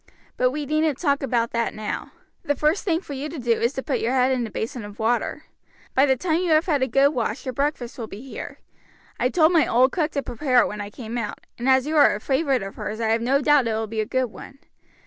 But we needn't talk about that now. The first thing for you to do is to put your head in a basin of water. By the time you have had a good wash your breakfast will be here. I told my old cook to prepare it when I came out, and as you are a favorite of hers I have no doubt it will be a good one.